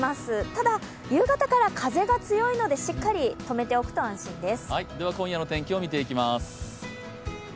ただ、夕方から風が強いので、しっかりとめておくと安心です。